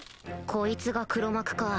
こいつが黒幕か